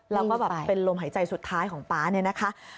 แล้วก็แบบเป็นลมหายใจสุดท้ายของป๊าเนี่ยนะคะ